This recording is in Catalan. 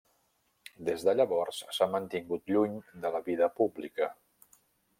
Des de llavors s'ha mantingut lluny de la vida pública.